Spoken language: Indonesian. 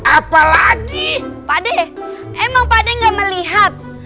apalagi pade emang pada nggak melihat